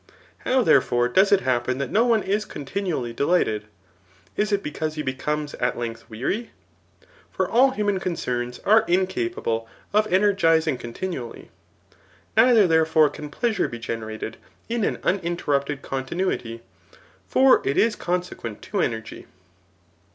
How, therefore, does it happen that no one is continually de lighted ? Is it because he becomes [at length] weary ? For all human concerns are incapable of energizing con tinually. Neither, therefore, can pleasure be generated in an uninterrupted continuity ; for it is coiffiequent to energy.